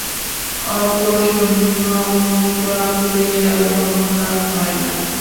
অপ্রসন্ন মুখভাব লইয়া ধর্মলাভ হয় না।